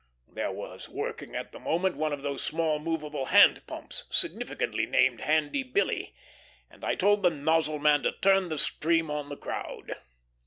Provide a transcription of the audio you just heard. There was working at the moment one of those small movable hand pumps significantly named "Handy Billy," and I told the nozzle man to turn the stream on the crowd.